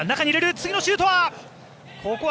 次のシュートは